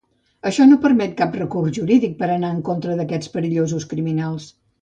Això no permet cap recurs jurídic per anar en contra d'aquests perillosos criminals.